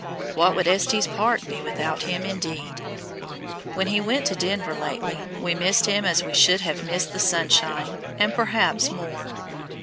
What would Estes Park be without him, indeed? When he went to Denver lately we missed him as we should have missed the sunshine, and perhaps more.